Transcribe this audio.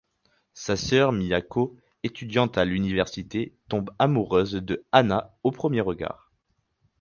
Sa sœur Miyako, étudiante à l'université, tombe amoureuse de Hana au premier regard.